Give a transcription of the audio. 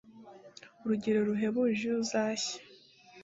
Urugero ruhebuje Iyo uzashya